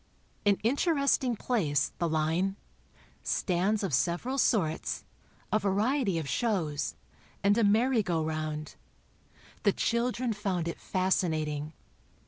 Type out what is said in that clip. An interesting place, the "line": Stands of several sorts; a variety of shows, and a merry go round. The children found it fascinating.